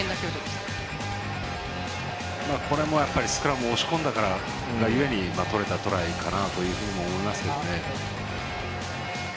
これも、スクラムを押し込んだがゆえに取れたトライかなというふうに思いますけどね。